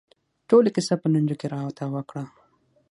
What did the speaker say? ټوله کیسه په لنډو کې راته وکړه.